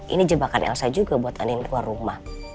ini jebakan elsa juga buat andin keluar rumah